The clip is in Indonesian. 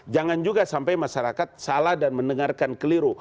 jangan juga sampai masyarakat salah dan mendengarkan keliru